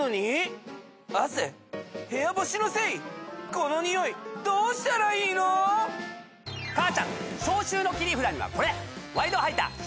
このニオイどうしたらいいの⁉母ちゃん消臭の切り札にはこれ！